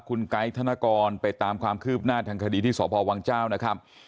คุณไกด์ธนกรไปตามความคืบหน้าทางคดีที่สพวังเจ้านะครับ